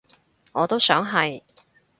我都想係